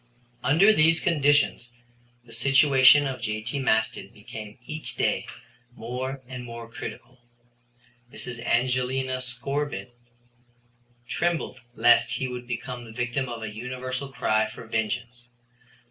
Under these conditions the situation of J.T. Maston became each day more and more critical. Mrs. Evangelina Scorbitt trembled lest he would become the victim of a universal cry for vengeance.